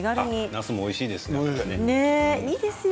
なすもいいですね。